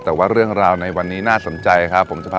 แต่ว่าเรื่องราวในวันนี้น่าสนใจครับผม